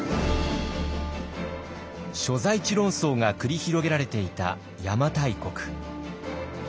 所在地論争が繰り広げられていた邪馬台国。